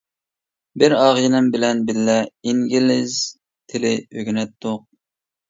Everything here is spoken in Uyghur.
بىر ئاغىنەم بىلەن بىللە ئىنگلىز تىلى ئۆگىنەتتۇق.